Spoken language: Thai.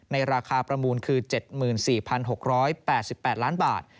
ในราคาประมูลคือ๗๔๖๘๘ล้านบาท